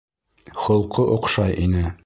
— Холҡо оҡшай ине.